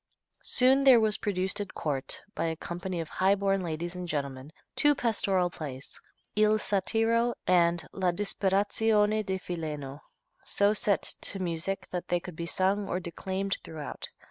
Soon there was produced at court, by a company of highborn ladies and gentlemen, two pastoral plays: "Il Satiro" and "La Disperazione di Fileno," so set to music that they could be sung or declaimed throughout.